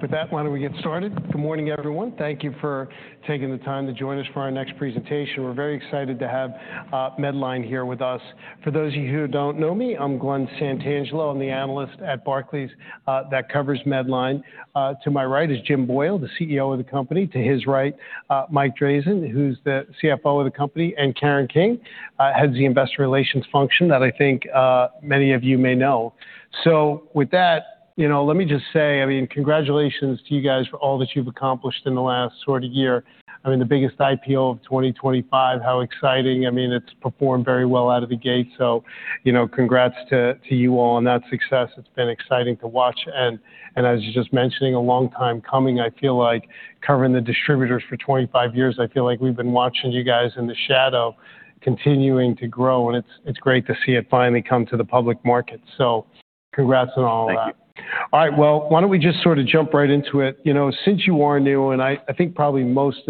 With that, why don't we get started? Good morning, everyone. Thank you for taking the time to join us for our next presentation. We're very excited to have Medline here with us. For those of you who don't know me, I'm Glen Santangelo. I'm the analyst at Barclays that covers Medline. To my right is Jim Boyle, the CEO of the company. To his right, Mike Drazin, who's the CFO of the company, and Karen King heads the Investor Relations function that I think many of you may know. With that, you know, let me just say, I mean, congratulations to you guys for all that you've accomplished in the last sort of year. I mean, the biggest IPO of 2025. How exciting. I mean, it's performed very well out of the gate, so, you know, congrats to you all on that success. It's been exciting to watch and as you just mentioning, a long time coming. I feel like covering the distributors for 25 years, I feel like we've been watching you guys in the shadow continuing to grow, and it's great to see it finally come to the public market. Congrats on all of that. Thank you. All right. Well, why don't we just sort of jump right into it? You know, since you are new, and I think probably most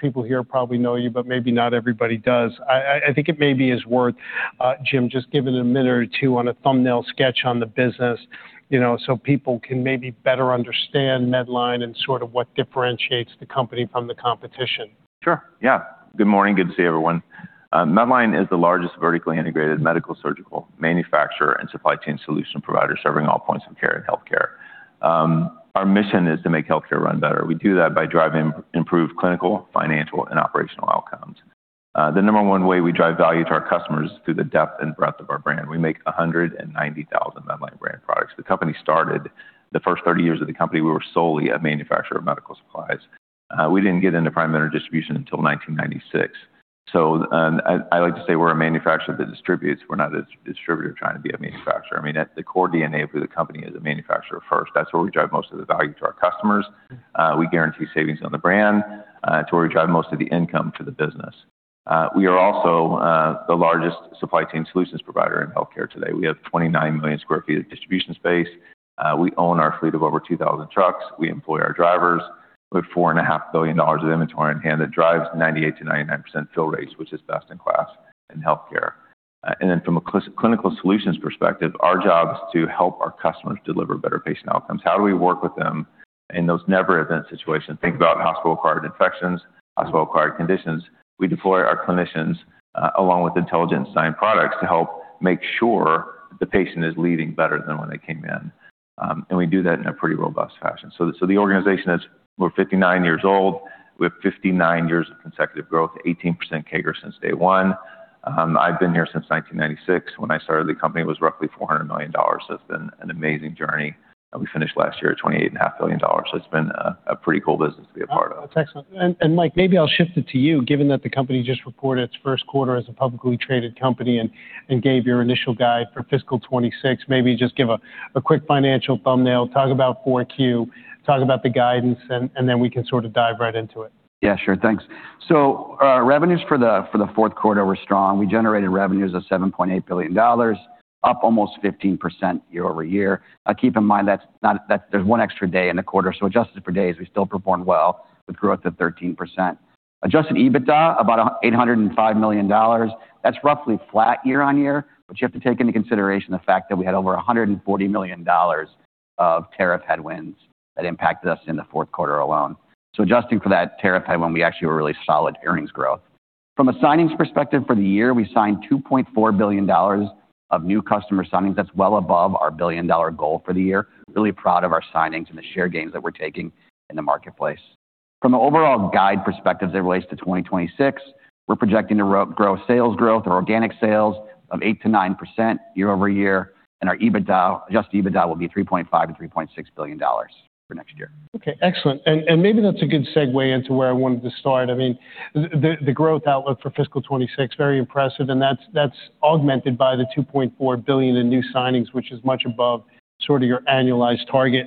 people here probably know you, but maybe not everybody does. I think it may be worth, Jim, just giving a minute or two on a thumbnail sketch on the business, you know, so people can maybe better understand Medline and sort of what differentiates the company from the competition. Sure, yeah. Good morning. Good to see everyone. Medline is the largest vertically integrated medical surgical manufacturer and supply chain solution provider serving all points of care in healthcare. Our mission is to make healthcare run better. We do that by driving improved clinical, financial, and operational outcomes. The number one way we drive value to our customers is through the depth and breadth of our brand. We make 190,000 Medline Brand products. The first 30 years of the company, we were solely a manufacturer of medical supplies. We didn't get into primary distribution until 1996. I like to say we're a manufacturer that distributes. We're not a distributor trying to be a manufacturer. I mean, at the core DNA of who the company is, a manufacturer first. That's where we drive most of the value to our customers. We guarantee savings on the brand, it's where we drive most of the income to the business. We are also the largest supply chain solutions provider in healthcare today. We have 29 million sq ft of distribution space. We own our fleet of over 2,000 trucks. We employ our drivers. We have $4.5 billion of inventory on hand that drives 98%-99% fill rates, which is best in class in healthcare. From a clinical solutions perspective, our job is to help our customers deliver better patient outcomes. How do we work with them in those never event situations? Think about hospital-acquired infections, hospital-acquired conditions. We deploy our clinicians, along with intelligent design products to help make sure the patient is leaving better than when they came in. We do that in a pretty robust fashion. The organization is. We're 59 years old. We have 59 years of consecutive growth, 18% CAGR since day one. I've been here since 1996. When I started, the company was roughly $400 million. It's been an amazing journey. We finished last year at $28 and a half billion. It's been a pretty cool business to be a part of. That's excellent. Mike, maybe I'll shift it to you, given that the company just reported its first quarter as a publicly traded company and gave your initial guide for fiscal 2026. Maybe just give a quick financial thumbnail, talk about 4Q, talk about the guidance, and then we can sort of dive right into it. Revenues for the fourth quarter were strong. We generated revenues of $7.8 billion, up almost 15% year-over-year. Keep in mind that there's one extra day in the quarter, so adjusted for days, we still performed well with growth of 13%. Adjusted EBITDA, about $805 million. That's roughly flat year-on-year, but you have to take into consideration the fact that we had over $140 million of tariff headwinds that impacted us in the fourth quarter alone. Adjusting for that tariff headwind, we actually were really solid earnings growth. From a signings perspective for the year, we signed $2.4 billion of new customer signings. That's well above our billion-dollar goal for the year. Really proud of our signings and the share gains that we're taking in the marketplace. From the overall guidance perspective as it relates to 2026, we're projecting organic sales growth of 8%-9% year-over-year, and our EBITDA, Adjusted EBITDA will be $3.5 billion-$3.6 billion for next year. Okay, excellent. Maybe that's a good segue into where I wanted to start. I mean, the growth outlook for fiscal 2026, very impressive, and that's augmented by the $2.4 billion in new signings, which is much above sort of your annualized target.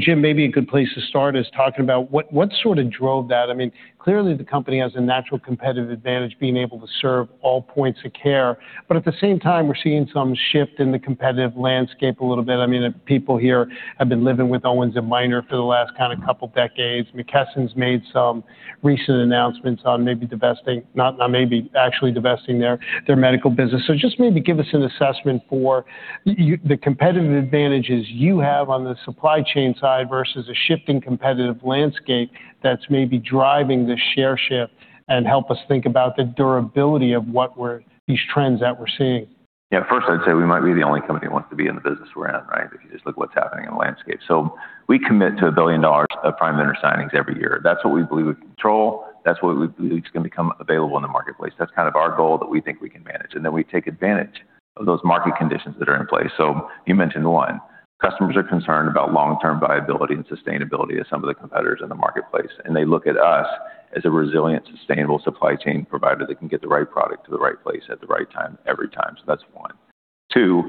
Jim, maybe a good place to start is talking about what sort of drove that? I mean, clearly the company has a natural competitive advantage being able to serve all points of care, but at the same time, we're seeing some shift in the competitive landscape a little bit. I mean, people here have been living with Owens & Minor for the last kinda couple decades. McKesson's made some recent announcements on maybe divesting, not maybe, actually divesting their medical business. Just maybe give us an assessment for you, the competitive advantages you have on the supply chain side versus a shifting competitive landscape that's maybe driving the share shift, and help us think about the durability of these trends that we're seeing. Yeah. First, I'd say we might be the only company that wants to be in the business we're in, right? If you just look what's happening in the landscape. We commit to $1 billion of prime vendor signings every year. That's what we believe we can control. That's what we believe is gonna become available in the marketplace. That's kind of our goal that we think we can manage, and then we take advantage of those market conditions that are in place. You mentioned one. Customers are concerned about long-term viability and sustainability of some of the competitors in the marketplace, and they look at us as a resilient, sustainable supply chain provider that can get the right product to the right place at the right time, every time. That's one. Two,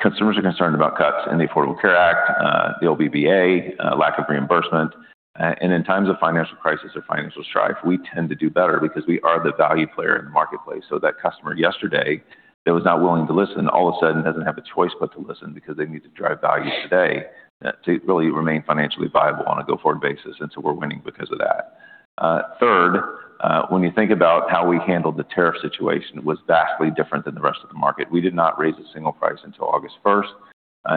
consumers are concerned about cuts in the Affordable Care Act, the OBBBA, lack of reimbursement, and in times of financial crisis or financial strife, we tend to do better because we are the value player in the marketplace. That customer yesterday that was not willing to listen, all of a sudden doesn't have a choice but to listen because they need to drive value today, to really remain financially viable on a go-forward basis, and so we're winning because of that. Third, when you think about how we handled the tariff situation, it was vastly different than the rest of the market. We did not raise a single price until August first.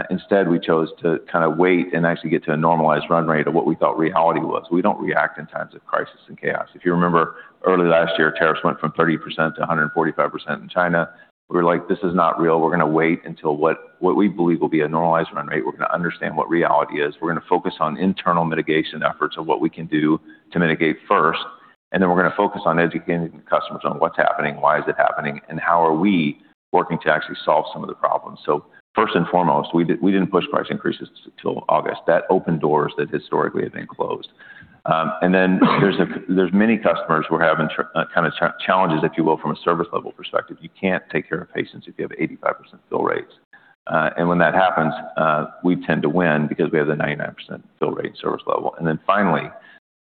Instead, we chose to kind of wait and actually get to a normalized run rate of what we thought reality was. We don't react in times of crisis and chaos. If you remember earlier last year, tariffs went from 30% to 145% in China. We were like, "This is not real. We're gonna wait until what we believe will be a normalized run rate. We're gonna understand what reality is. We're gonna focus on internal mitigation efforts of what we can do to mitigate first, and then we're gonna focus on educating the customers on what's happening, why is it happening, and how are we working to actually solve some of the problems." First and foremost, we didn't push price increases till August. That opened doors that historically had been closed. There's many customers who are having kinda challenges, if you will, from a service level perspective. You can't take care of patients if you have 85% fill rates. When that happens, we tend to win because we have the 99% fill rate service level. Then finally,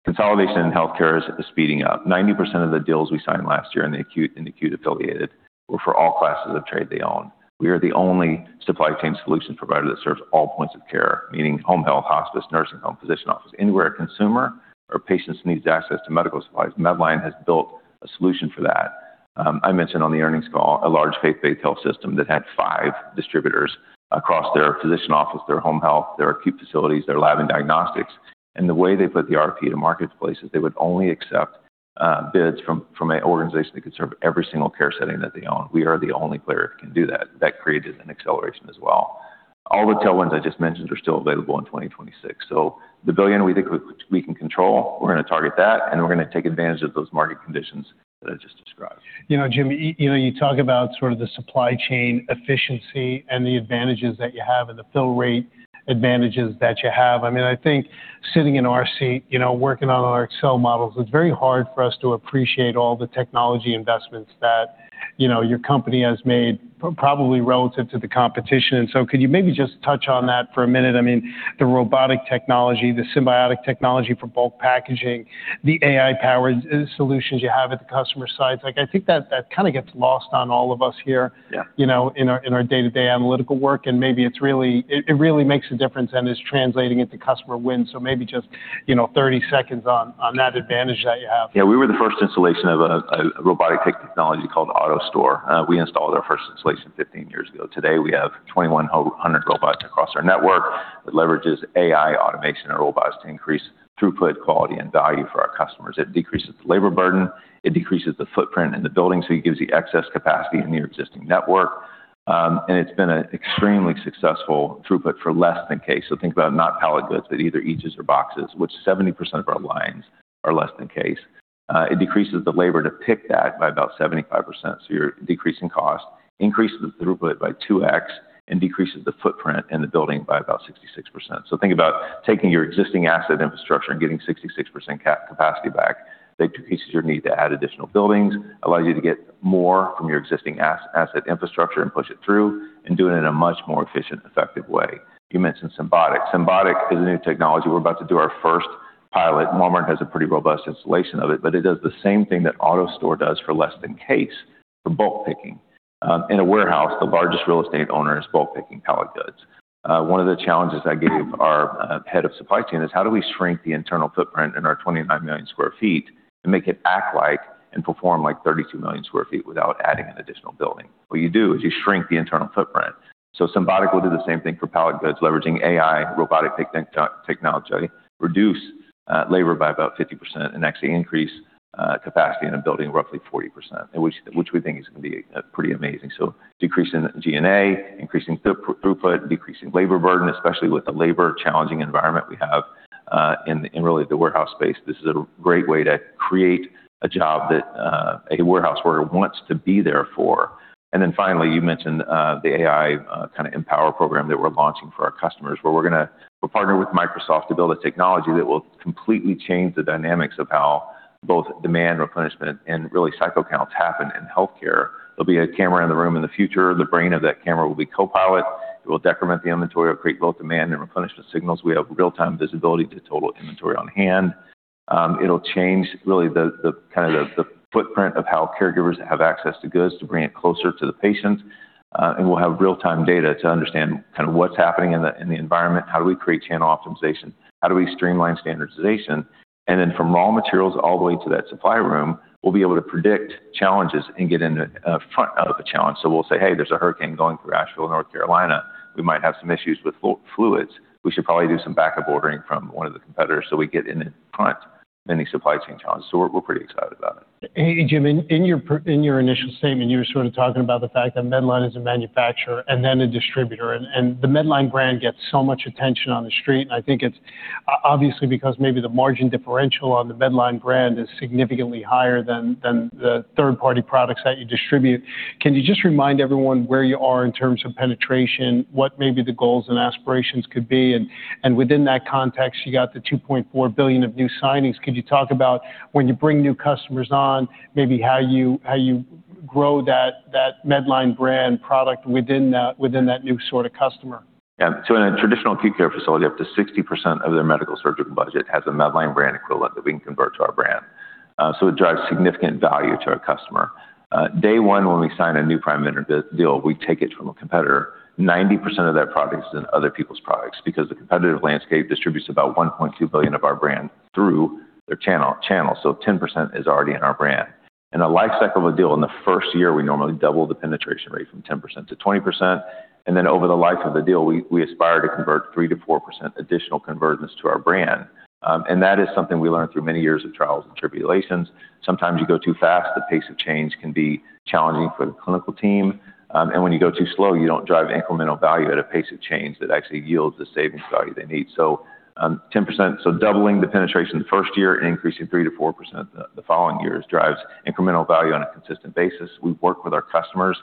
consolidation in healthcare is speeding up. 90% of the deals we signed last year in acute affiliated were for all classes of trade they own. We are the only supply chain solution provider that serves all points of care, meaning home health, hospice, nursing home, physician office. Anywhere a consumer or patients needs access to medical supplies, Medline has built a solution for that. I mentioned on the earnings call a large faith-based health system that had five distributors across their physician office, their home health, their acute facilities, their lab and diagnostics. The way they put the RFP to marketplace is they would only accept bids from an organization that could serve every single care setting that they own. We are the only player that can do that. That created an acceleration as well. All the tailwinds I just mentioned are still available in 2026. The $1 billion we think we can control, we're gonna target that, and we're gonna take advantage of those market conditions that I just described. You know, Jim, you know, you talk about sort of the supply chain efficiency and the advantages that you have and the fill rate advantages that you have. I mean, I think sitting in our seat, you know, working on our Excel models, it's very hard for us to appreciate all the technology investments that, you know, your company has made probably relative to the competition. Could you maybe just touch on that for a minute? I mean, the robotic technology, the Symbotic technology for bulk packaging, the AI-powered solutions you have at the customer sites. Like, I think that kinda gets lost on all of us here. Yeah. You know, in our day-to-day analytical work, it really makes a difference and is translating into customer wins. Maybe just, you know, 30 seconds on that advantage that you have. Yeah. We were the first installation of a robotic technology called AutoStore. We installed our first installation 15 years ago. Today, we have 2,100 robots across our network. It leverages AI automation and robots to increase throughput, quality, and value for our customers. It decreases the labor burden, it decreases the footprint in the building, so it gives you excess capacity in your existing network. It's been an extremely successful throughput for less than case. Think about not pallet goods, but either each's or boxes, which 70% of our lines are less than case. It decreases the labor to pick that by about 75%, so you're decreasing cost, increases the throughput by 2x, and decreases the footprint in the building by about 66%. Think about taking your existing asset infrastructure and getting 66% capacity back. That decreases your need to add additional buildings, allows you to get more from your existing asset infrastructure and push it through, and do it in a much more efficient, effective way. You mentioned Symbotic. Symbotic is a new technology. We're about to do our first pilot. Walmart has a pretty robust installation of it, but it does the same thing that AutoStore does for less than case for bulk picking. In a warehouse, the largest real estate owner is bulk picking pallet goods. One of the challenges I gave our head of supply chain is. How do we shrink the internal footprint in our 29 million sq ft and make it act like and perform like 32 million sq ft without adding an additional building? What you do is you shrink the internal footprint. Symbotic will do the same thing for pallet goods, leveraging AI, robotic technology, reduce labor by about 50% and actually increase capacity in a building roughly 40%, which we think is gonna be pretty amazing. Decrease in G&A, increasing throughput, decreasing labor burden, especially with the labor-challenging environment we have in really the warehouse space. This is a great way to create a job that a warehouse worker wants to be there for. Then finally, you mentioned the AI kinda Empower program that we're launching for our customers, where we're partnering with Microsoft to build a technology that will completely change the dynamics of how both demand replenishment and really cycle counts happen in healthcare. There'll be a camera in the room in the future. The brain of that camera will be Copilot. It will decrement the inventory. It'll create both demand and replenishment signals. We have real-time visibility to total inventory on hand. It'll change really the footprint of how caregivers have access to goods to bring it closer to the patient. We'll have real-time data to understand kinda what's happening in the environment. How do we create channel optimization? How do we streamline standardization? From raw materials all the way to that supply room, we'll be able to predict challenges and get in front of a challenge. We'll say, "Hey, there's a hurricane going through Asheville, North Carolina. We might have some issues with fluids. We should probably do some backup ordering from one of the competitors," so we get in front of any supply chain challenges. We're pretty excited about it. Hey, Jim, in your initial statement, you were sort of talking about the fact that Medline is a manufacturer and then a distributor. The Medline brand gets so much attention on the street, and I think it's obviously because maybe the margin differential on the Medline brand is significantly higher than the third-party products that you distribute. Can you just remind everyone where you are in terms of penetration? What maybe the goals and aspirations could be? Within that context, you got the $2.4 billion of new signings. Could you talk about when you bring new customers on, maybe how you grow that Medline brand product within that new sort of customer? Yeah. In a traditional acute care facility, up to 60% of their medical surgical budget has a Medline brand equivalent that we can convert to our brand. It drives significant value to our customer. Day one, when we sign a new prime vendor deal, we take it from a competitor. 90% of that product is in other people's products because the competitive landscape distributes about $1.2 billion of our brand through their channel. 10% is already in our brand. In the lifecycle of a deal, in the first year, we normally double the penetration rate from 10% to 20%. Over the life of the deal, we aspire to convert 3%-4% additional conversions to our brand. That is something we learned through many years of trials and tribulations. Sometimes you go too fast, the pace of change can be challenging for the clinical team. When you go too slow, you don't drive incremental value at a pace of change that actually yields the savings value they need. 10%, so doubling the penetration the first year and increasing 3%-4% the following years drives incremental value on a consistent basis. We've worked with our customers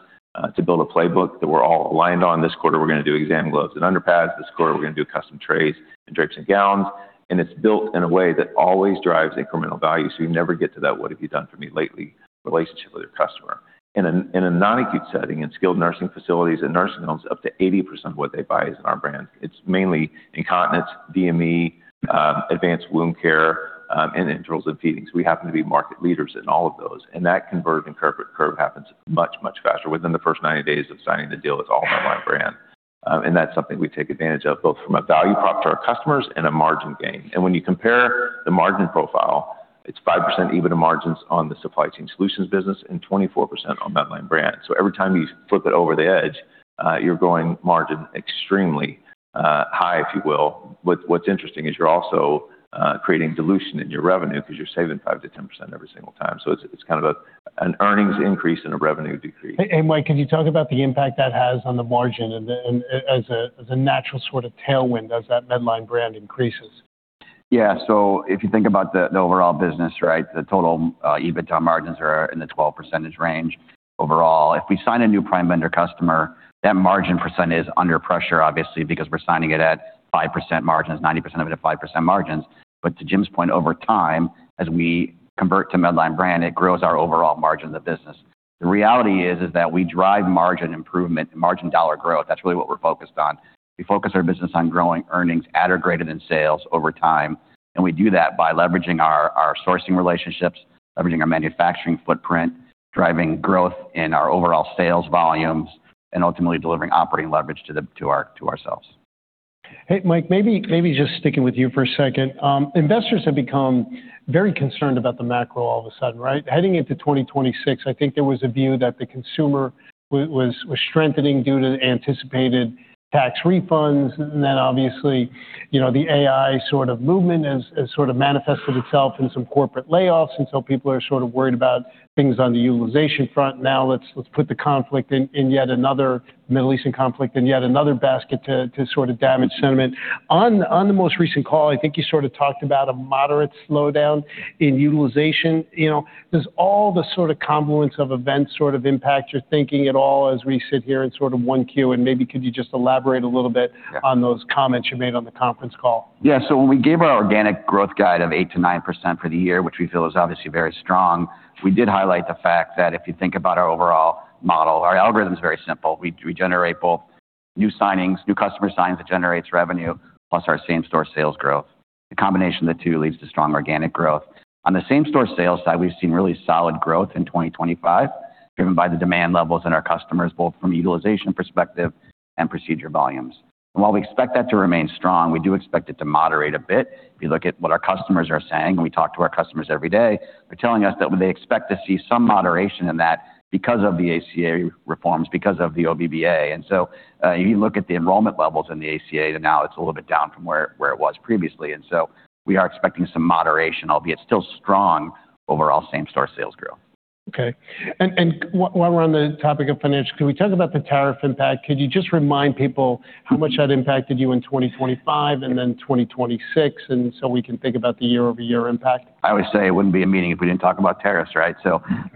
to build a playbook that we're all aligned on. This quarter, we're gonna do exam gloves and underpads. This quarter, we're gonna do custom trays and drapes and gowns. It's built in a way that always drives incremental value, so you never get to that, "What have you done for me lately?" relationship with your customer. In a non-acute setting, in skilled nursing facilities and nursing homes, up to 80% of what they buy is in our brand. It's mainly incontinence, DME, advanced wound care, and enterals and feedings. We happen to be market leaders in all of those, and that convert and curve happens much, much faster. Within the first 90 days of signing the deal, it's all Medline brand. And that's something we take advantage of, both from a value prop to our customers and a margin gain. When you compare the margin profile, it's 5% EBITDA margins on the supply chain solutions business and 24% on Medline brand. Every time you flip it over the edge, you're going margin extremely high, if you will. What's interesting is you're also creating dilution in your revenue because you're saving 5%-10% every single time. It's kind of an earnings increase and a revenue decrease. Hey, Mike, can you talk about the impact that has on the margin and as a natural sort of tailwind as that Medline brand increases? If you think about the overall business, right? The total EBITDA margins are in the 12% range overall. If we sign a new prime vendor customer, that margin percent is under pressure obviously because we're signing it at 5% margins, 90% of it at 5% margins. To Jim's point, over time, as we convert to Medline Brand, it grows our overall margin of the business. The reality is that we drive margin improvement and margin dollar growth. That's really what we're focused on. We focus our business on growing earnings at or greater than sales over time, and we do that by leveraging our sourcing relationships, leveraging our manufacturing footprint, driving growth in our overall sales volumes, and ultimately delivering operating leverage to ourselves. Hey, Mike, maybe just sticking with you for a second. Investors have become very concerned about the macro all of a sudden, right? Heading into 2026, I think there was a view that the consumer was strengthening due to the anticipated tax refunds. Then obviously, you know, the AI sort of movement has sort of manifested itself in some corporate layoffs, and so people are sort of worried about things on the utilization front. Now, let's put the conflict in yet another Middle Eastern conflict in yet another basket to sort of damage sentiment. On the most recent call, I think you sort of talked about a moderate slowdown in utilization. You know, does all the sort of confluence of events sort of impact your thinking at all as we sit here in sort of 1Q? Maybe could you just elaborate a little bit? Yeah. On those comments you made on the conference call? Yeah. When we gave our organic growth guide of 8%-9% for the year, which we feel is obviously very strong, we did highlight the fact that if you think about our overall model, our algorithm's very simple. We generate both new signings, new customer signings that generates revenue, plus our same-store sales growth. The combination of the two leads to strong organic growth. On the same-store sales side, we've seen really solid growth in 2025, driven by the demand levels in our customers, both from utilization perspective and procedure volumes. While we expect that to remain strong, we do expect it to moderate a bit. If you look at what our customers are saying, and we talk to our customers every day, they're telling us that they expect to see some moderation in that because of the ACA reforms, because of the OBBBA. If you look at the enrollment levels in the ACA, now it's a little bit down from where it was previously. We are expecting some moderation, albeit still strong overall same-store sales growth. Okay, while we're on the topic of financials, can we talk about the tariff impact? Could you just remind people how much that impacted you in 2025 and then 2026, so we can think about the year-over-year impact? I always say it wouldn't be a meeting if we didn't talk about tariffs, right? Tariffs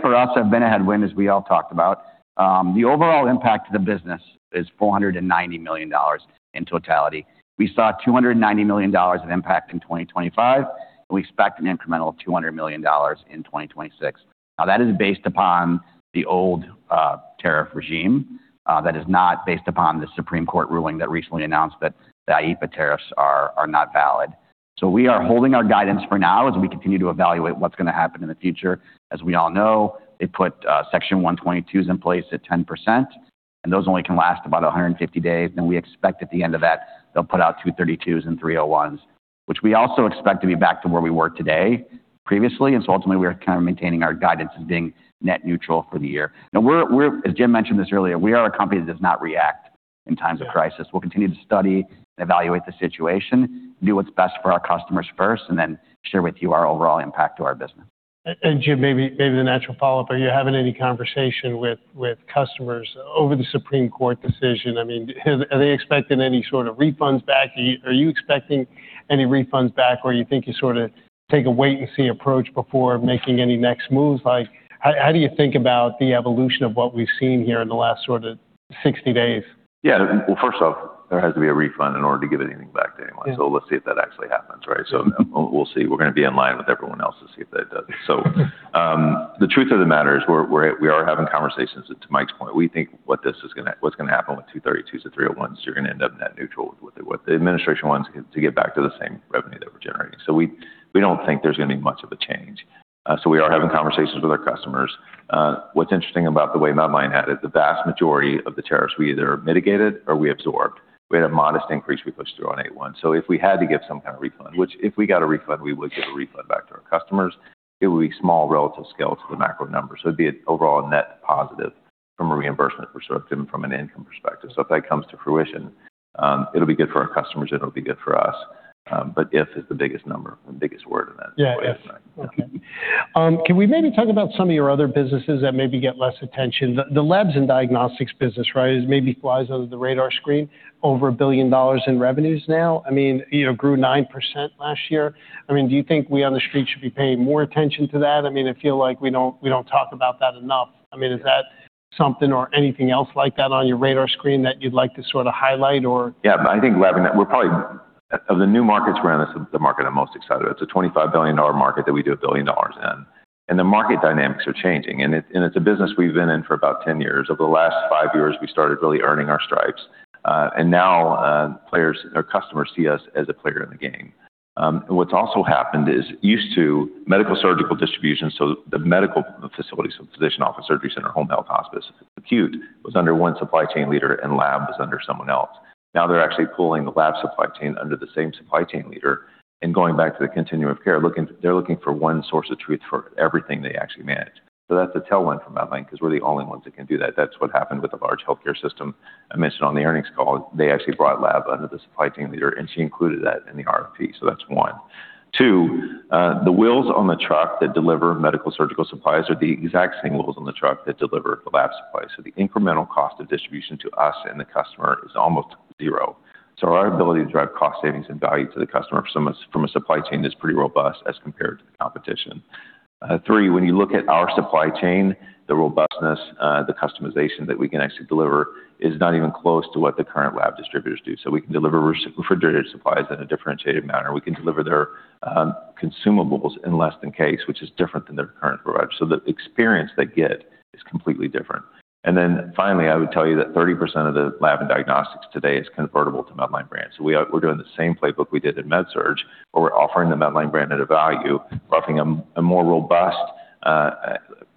for us have been a headwind, as we all talked about. The overall impact to the business is $490 million in totality. We saw $290 million of impact in 2025, and we expect an incremental $200 million in 2026. Now, that is based upon the old tariff regime. That is not based upon the Supreme Court ruling that recently announced that the IEEPA tariffs are not valid. We are holding our guidance for now as we continue to evaluate what's gonna happen in the future. As we all know, they put Section 122s in place at 10%, and those only can last about 150 days. We expect at the end of that, they'll put out 232s and 301s, which we also expect to be back to where we were today previously. Ultimately, we are kind of maintaining our guidance as being net neutral for the year. Now we're. As Jim mentioned this earlier, we are a company that does not react in times of crisis. We'll continue to study and evaluate the situation, do what's best for our customers first, and then share with you our overall impact to our business. Jim, maybe the natural follow-up. Are you having any conversation with customers over the Supreme Court decision? I mean, are they expecting any sort of refunds back? Are you expecting any refunds back, or you think you sort of take a wait and see approach before making any next moves? Like, how do you think about the evolution of what we've seen here in the last sort of 60 days? Yeah. Well, first off, there has to be a refund in order to give anything back to anyone. Yeah. Let's see if that actually happens, right? No, we'll see. We're gonna be in line with everyone else to see if that does. The truth of the matter is we are having conversations. To Mike's point, we think what's gonna happen with Sections 232 and 301, you're gonna end up net neutral with what the administration wants is to get back to the same revenue that we're generating. We don't think there's gonna be much of a change. We are having conversations with our customers. What's interesting about the way Medline had it, the vast majority of the tariffs we either mitigated or we absorbed. We had a modest increase we pushed through on 8/1. If we had to give some kind of refund, which if we got a refund, we would give a refund back to our customers. It would be small relative scale to the macro number. It'd be an overall net positive from a reimbursement perspective and from an income perspective. If that comes to fruition, it'll be good for our customers, it'll be good for us. If is the biggest number, the biggest word in that. Yeah. Okay. Can we maybe talk about some of your other businesses that maybe get less attention? The labs and diagnostics business, right, maybe flies under the radar screen over $1 billion in revenues now. I mean, you know, grew 9% last year. I mean, do you think we on The Street should be paying more attention to that? I mean, I feel like we don't talk about that enough. I mean, is that something or anything else like that on your radar screen that you'd like to sort of highlight or? Yeah. I think of the new markets we're in, this is the market I'm most excited. It's a $25 billion market that we do $1 billion in, and the market dynamics are changing. It's a business we've been in for about 10 years. Over the last five years, we started really earning our stripes. Now, players or customers see us as a player in the game. What's also happened is it used to medical surgical distribution, so the medical facilities, physician office, surgery center, home health hospice, acute, was under one supply chain leader, and lab was under someone else. Now they're actually pulling the lab supply chain under the same supply chain leader and going back to the continuum of care. They're looking for one source of truth for everything they actually manage. That's a tailwind for Medline because we're the only ones that can do that. That's what happened with a large healthcare system I mentioned on the earnings call. They actually brought lab under the supply chain leader, and she included that in the RFP. That's one. Two, the wheels on the truck that deliver medical surgical supplies are the exact same wheels on the truck that deliver lab supplies. The incremental cost of distribution to us and the customer is almost zero. Our ability to drive cost savings and value to the customer from a, from a supply chain is pretty robust as compared to the competition. Three, when you look at our supply chain, the robustness, the customization that we can actually deliver is not even close to what the current lab distributors do. We can deliver refrigerated supplies in a differentiated manner. We can deliver their consumables in less than case, which is different than their current provider. The experience they get is completely different. Then finally, I would tell you that 30% of the lab and diagnostics today is convertible to Medline brands. We're doing the same playbook we did in Med Surg, but we're offering the Medline brand at a value, offering them a more robust,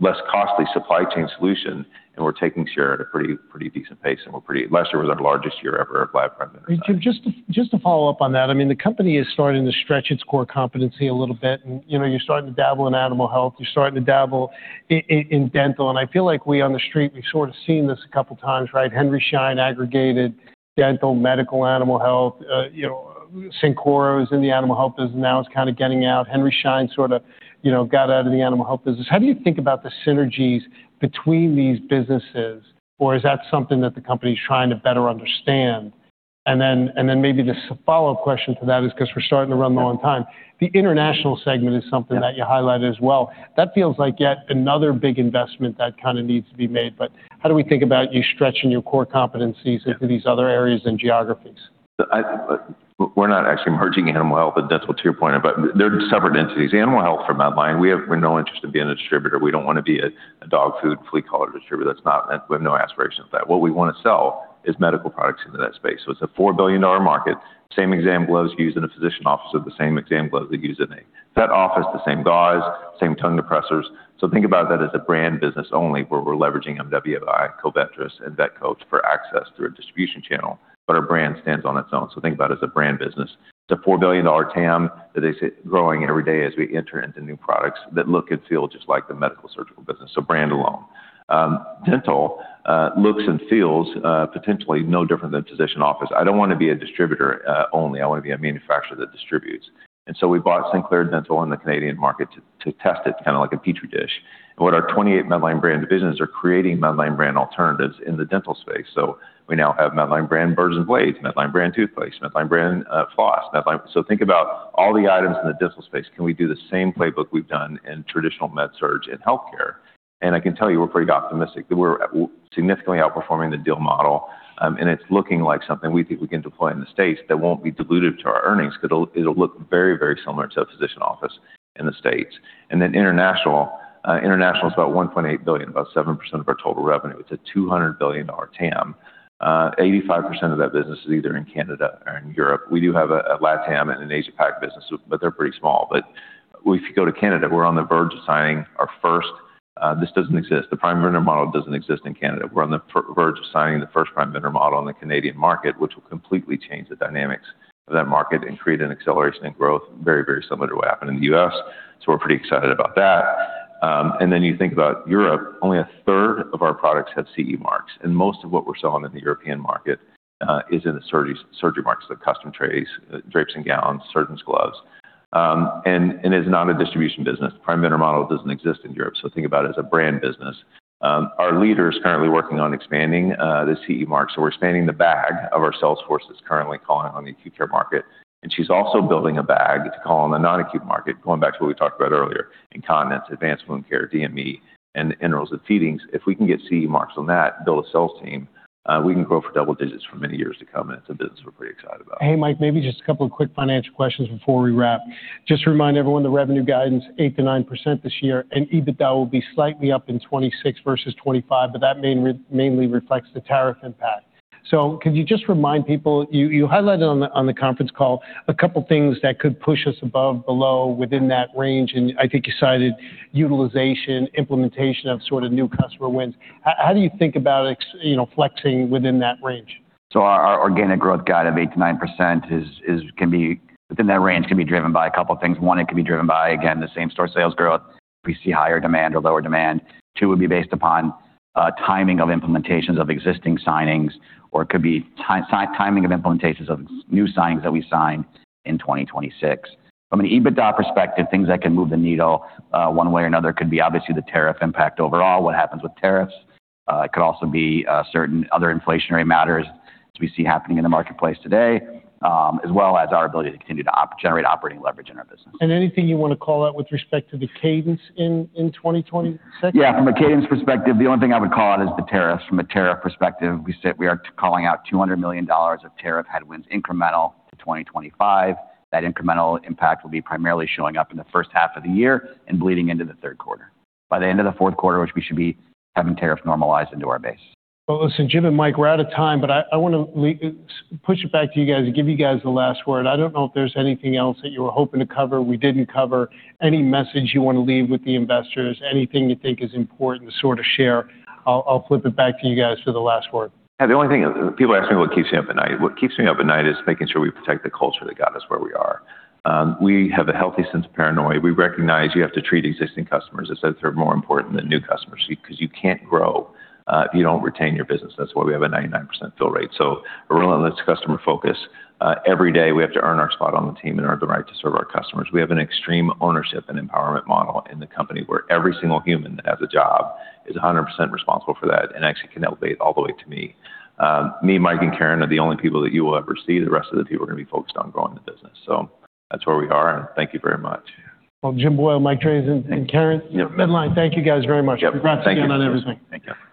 less costly supply chain solution. We're taking share at a pretty decent pace, and last year was our largest year ever of lab presence. Jim, just to follow up on that, I mean, the company is starting to stretch its core competency a little bit, and, you know, you're starting to dabble in animal health, you're starting to dabble in dental. I feel like we, on The Street, we've sort of seen this a couple times, right? Henry Schein aggregated dental, medical, animal health. You know, Covetrus was in the animal health business, now is kinda getting out. Henry Schein sorta, you know, got out of the animal health business. How do you think about the synergies between these businesses, or is that something that the company's trying to better understand? Maybe the follow-up question to that is because we're starting to run low on time. The international segment is something that you highlighted as well. That feels like yet another big investment that kinda needs to be made. How do we think about you stretching your core competencies into these other areas and geographies? We're not actually merging animal health and dental to your point, but they're separate entities. Animal health for Medline, we have no interest in being a distributor. We don't wanna be a dog food flea collar distributor. That's not. We have no aspirations of that. What we wanna sell is medical products into that space. It's a $4 billion market. Same exam gloves used in a physician office are the same exam gloves they use in a vet office, the same gauze, same tongue depressors. Think about that as a brand business only, where we're leveraging MWI, Covetrus, and VetCor for access through a distribution channel, but our brand stands on its own. Think about it as a brand business. It's a $4 billion TAM that is growing every day as we enter into new products that look and feel just like the medical surgical business. Brand alone. Dental looks and feels potentially no different than physician office. I don't wanna be a distributor only. I wanna be a manufacturer that distributes. We bought Sinclair Dental in the Canadian market to test it, kind of like a Petri dish. What our 28 Medline Brands business are creating Medline Brand alternatives in the dental space. We now have Medline Brand versions of blades, Medline Brand toothpaste, Medline Brand floss, Medline. Think about all the items in the dental space. Can we do the same playbook we've done in traditional med-surg in healthcare? I can tell you we're pretty optimistic that we're significantly outperforming the deal model, and it's looking like something we think we can deploy in the States that won't be dilutive to our earnings because it'll look very, very similar to a physician office in the States. International is about $1.8 billion, about 7% of our total revenue. It's a $200 billion TAM. 85% of that business is either in Canada or in Europe. We do have a LatAm and an Asia Pac business, but they're pretty small. If you go to Canada, we're on the verge of signing our first, this doesn't exist. The prime vendor model doesn't exist in Canada. We're on the verge of signing the first prime vendor model in the Canadian market, which will completely change the dynamics of that market and create an acceleration in growth very, very similar to what happened in the U.S. We're pretty excited about that. You think about Europe, only 1/3 of our products have CE marks, and most of what we're selling in the European market is in the surgical markets, the custom trays, drapes and gowns, surgical gloves, and is not a distribution business. Prime vendor model doesn't exist in Europe. Think about it as a brand business. Our leader is currently working on expanding the CE mark. We're expanding the breadth of our sales forces currently calling on the acute care market. She's also building a bag to call on the non-acute market, going back to what we talked about earlier in incontinence, advanced wound care, DME, and the enterals and feedings. If we can get CE marks on that and build a sales team, we can grow for double digits for many years to come, and it's a business we're pretty excited about. Hey, Mike, maybe just a couple of quick financial questions before we wrap. Just to remind everyone, the revenue guidance 8%-9% this year, and EBITDA will be slightly up in 2026 versus 2025, but that mainly reflects the tariff impact. Could you just remind people, you highlighted on the conference call a couple things that could push us above, below, within that range, and I think you cited utilization, implementation of sort of new customer wins. How do you think about, you know, flexing within that range? Our organic growth guide of 8%-9% is can be within that range, can be driven by a couple things. One, it could be driven by, again, the same-store sales growth if we see higher demand or lower demand. Two, would be based upon, timing of implementations of existing signings, or it could be timing of implementations of new signings that we sign in 2026. From an EBITDA perspective, things that can move the needle, one way or another could be obviously the tariff impact overall, what happens with tariffs. It could also be, certain other inflationary matters as we see happening in the marketplace today, as well as our ability to continue to generate operating leverage in our business. Anything you wanna call out with respect to the cadence in 2026? Yeah. From a cadence perspective, the only thing I would call out is the tariffs. From a tariff perspective, we said we are calling out $200 million of tariff headwinds incremental to 2025. That incremental impact will be primarily showing up in the first half of the year and bleeding into the third quarter. By the end of the fourth quarter, which we should be having tariffs normalized into our base. Well, listen, Jim and Mike, we're out of time, but I wanna push it back to you guys and give you guys the last word. I don't know if there's anything else that you were hoping to cover we didn't cover. Any message you wanna leave with the investors, anything you think is important to sort of share. I'll flip it back to you guys for the last word. Yeah, the only thing. People ask me what keeps you up at night. What keeps me up at night is making sure we protect the culture that got us where we are. We have a healthy sense of paranoia. We recognize you have to treat existing customers as if they're more important than new customers because you can't grow if you don't retain your business. That's why we have a 99% fill rate. We're relentless customer focus. Every day we have to earn our spot on the team and earn the right to serve our customers. We have an extreme ownership and empowerment model in the company where every single human that has a job is 100% responsible for that and actually can elevate all the way to me. Me, Mike, and Karen are the only people that you will ever see. The rest of the people are gonna be focused on growing the business. That's where we are, and thank you very much. Well, Jim Boyle, Mike Drazin, and Karen King, thank you guys very much. Yep. Thank you. Congrats again on everything. Thank you.